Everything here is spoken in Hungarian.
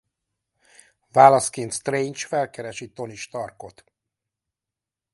Válaszként Strange felkeresi Tony Starkot.